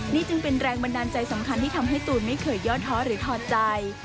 นี่จึงเป็นแรงบันดาลใจสำคัญที่ทำให้ตูนไม่เคยย่อท้อหรือถอดใจ